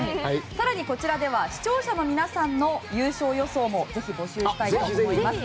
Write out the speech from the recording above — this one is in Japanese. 更にこちらでは視聴者の皆さんの優勝予想もぜひ、募集したいと思います。